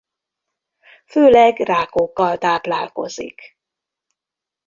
Főleg rákokkal táplálkozik.